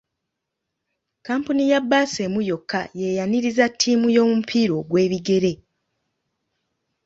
kkampuni ya bbaasi emu yokka y'eyanirizza ttiimu y'omupiira ogw'ebigere.